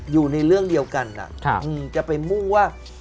แมทโอปอล์